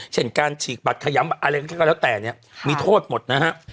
เช่นการฉีกบัตรขยำอะไรก็แล้วแต่เนี่ยมีโทษหมดนะฮะ